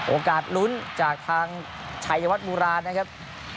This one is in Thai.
โอกาสลุ้นจากทางชัยวัดโบราณนะครับ